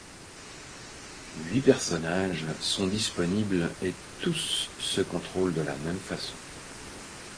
Huit personnages sont disponibles et tous se contrôlent de la même façon.